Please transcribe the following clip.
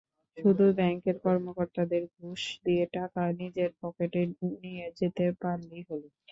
শুধু ব্যাংকের কর্মকর্তাদের ঘুষ দিয়ে টাকা নিজের পকেটে নিয়ে যেতে পারলেই হলো।